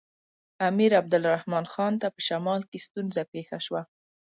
امیر عبدالرحمن خان ته په شمال کې ستونزه پېښه شوه.